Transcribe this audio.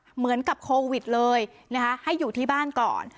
เหมือนกับโควิดเลยนะคะให้อยู่ที่บ้านก่อน